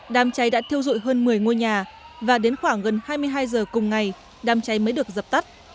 đam cháy đã thiêu rụi hơn một mươi ngôi nhà và đến khoảng gần hai mươi hai h cùng ngày đam cháy mới được dập tắt